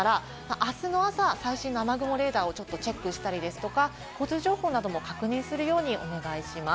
あすの朝、最新の雨雲レーダーをチェックしたり、交通情報も確認するようにお願いします。